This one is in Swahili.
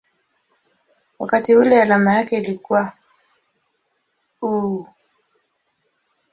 wakati ule alama yake ilikuwa µµ.